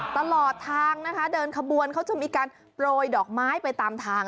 ตลอดทางนะคะเดินขบวนเขาจะมีการโปรยดอกไม้ไปตามทาง